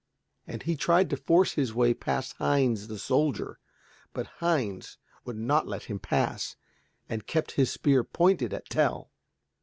and he tried to force his way past Heinz the soldier. But Heinz would not let him pass, and kept his spear pointed at Tell.